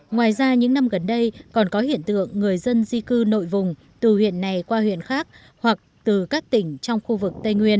ngoài ra những năm gần đây còn có hiện tượng người dân di cư nội vùng từ huyện này qua huyện khác hoặc từ các tỉnh trong khu vực tây nguyên